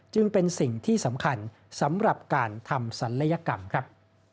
จึงเป็นสิ่งที่สำคัญสำหรับการทำศัลยกรรมครับ